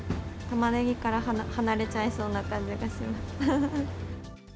たまねぎから離れちゃいそうな感じがします。